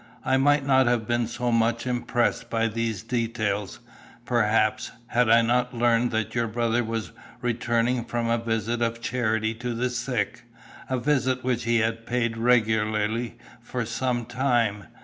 I might not have been so much impressed by these details, perhaps, had I not learned that your brother was returning from a visit of charity to the sick, a visit which he had paid regularly for some time.